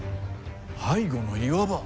背後の岩場。